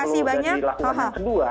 nah ini yang perlu dilakukan yang kedua